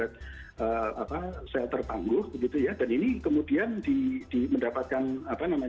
nah kemudian kita lanjutkan diskusi keesokan harinya dan akhirnya kita sepakat untuk membuat kenapa kita tidak bisa masuk